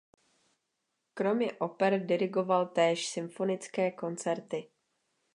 Kromě oper dirigoval též symfonické koncerty.